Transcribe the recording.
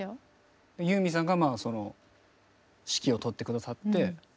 ユーミンさんが指揮を執って下さって。